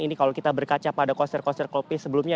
ini kalau kita berkaca pada konser konser kopi sebelumnya